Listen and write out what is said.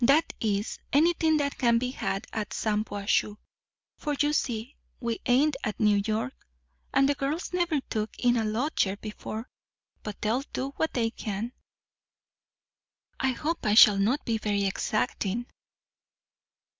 That is, anything that can be had at Shampuashuh; for you see, we ain't at New York; and the girls never took in a lodger before. But they'll do what they can." "I hope I shall not be very exacting."